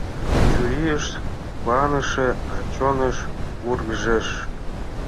Чурийышт куаныше, а чонышт вургыжеш.